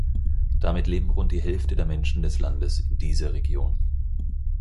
Damit leben rund die Hälfte der Menschen des Landes in dieser Region.